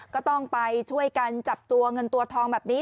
ก็ต้องไปช่วยกันจับตัวเงินตัวทองแบบนี้